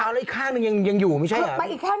แล้วอีกข้างนึงยังอยู่ไหมไม่ใช่เหรอ